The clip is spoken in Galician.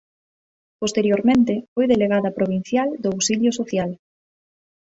Posteriormente foi Delegada provincial do Auxilio Social.